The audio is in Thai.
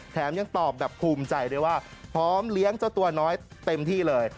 แถมยังตอบแบบภูมิใจด้วยว่าพร้อมเลี้ยงเจ้าตัวน้อยเต็มที่เลย